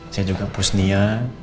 saya juga push mia